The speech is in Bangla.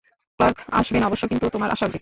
ক্লার্ক আসবে না অবশ্য, কিন্তু তোমার আসা উচিৎ।